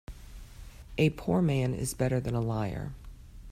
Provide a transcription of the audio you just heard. A poor man is better than a liar.